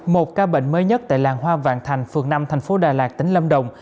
một ca bệnh mới nhất tại làng hoa vạn thành phường năm thành phố đà lạt tỉnh lâm đồng